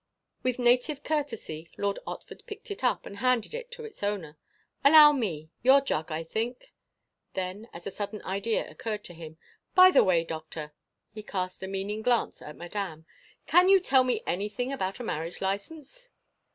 With native courtesy Lord Otford picked it up and handed it to its owner. "Allow me: your jug, I think." Then, as a sudden idea occurred to him, "By the way, Doctor—" he cast a meaning glance at Madame—"can you tell me anything about a marriage licence?"